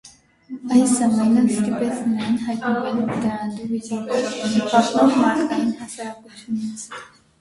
Այս ամենը ստիպեց նրան հայտնվել վտարանդու վիճակում՝ փախնող մարդկային հասարակությունից։